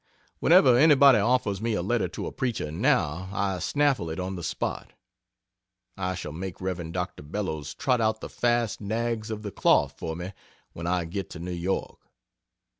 Whenever anybody offers me a letter to a preacher, now I snaffle it on the spot. I shall make Rev. Dr. Bellows trot out the fast nags of the cloth for me when I get to New York.